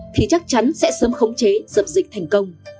thì chắc chắn sẽ sớm khống chế dập dịch thành công